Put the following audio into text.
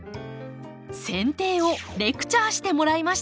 せん定をレクチャーしてもらいました。